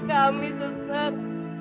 kasiannya kami suster